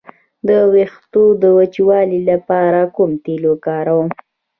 د ویښتو د وچوالي لپاره کوم تېل وکاروم؟